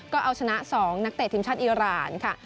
ก็เอาชนะ๒นักเตะทีมชาติอีรานค่ะ